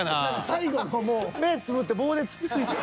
最後のもう目つぶって棒でつっついて。